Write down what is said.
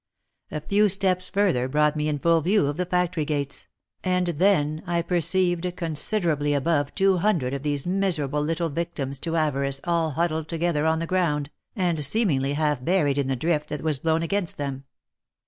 A few steps further brought me in full view of the factory gates, and then I per ceived considerably above two hundred of these miserable little victims 202 THE LIFE AND ADVENTURES to avarice all huddled together on the ground, and seemingly half buried in the drift that was blown against them.